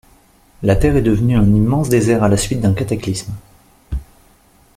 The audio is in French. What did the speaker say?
La Terre est devenue un immense désert à la suite d’un cataclysme.